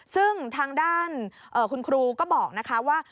ซึ่งทางด้านคุณครูก็บอกนะคะว่า